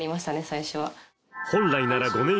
最初は。